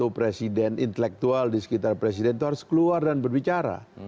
presiden intelektual di sekitar presiden itu harus keluar dan berbicara